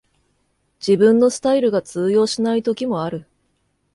自分のスタイルが通用しない時もある